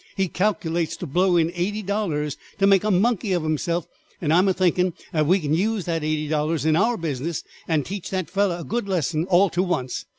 He calculates to blow in eighty dollars to make a monkey of himself, and I am thinkin' that we can use that eighty dollars in our business and teach the fellow a good lesson all ter wonce.